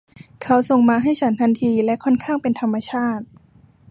เขาส่งมาให้ฉันทันทีและค่อนข้างเป็นธรรมชาติ